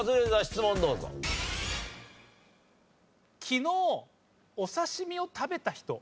昨日お刺身を食べた人。